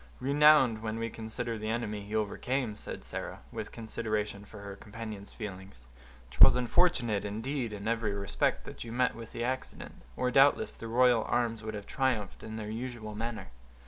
"Renowned, when we consider the enemy he overcame," said Sarah, with consideration for her companion's feelings. "'Twas unfortunate, indeed, in every respect, that you met with the accident, or doubtless the royal arms would have triumphed in their usual manner."